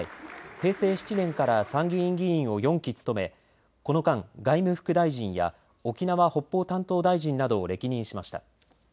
平成７年から参議院議員を４期務めこの間、外務副大臣や沖縄・北方担当大臣などを歴任しました。